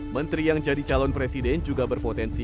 menteri yang jadi calon presiden juga berpotensi